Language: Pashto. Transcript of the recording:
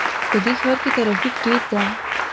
په دې ښار کې ترافیک ډېر ده